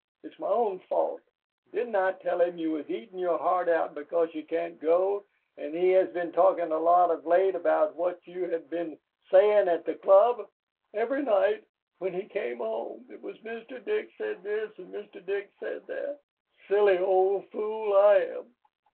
It's my own fault. Didn't I tell him you was eatin' your heart out because you can't go, and he has been talkin' a lot of late about what you had been sayin' at the Club. Every night when he came home, it was Mr. Dick said this, and Mr. Dick said that. Silly old fool, I am.